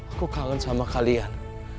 aku kangen sama kalian